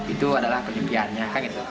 itu adalah penyepiannya